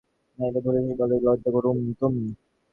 ভোলাবার শক্তি তোমাদের অমোঘ, নইলে ভুলেছি বলে লজ্জা করতুম।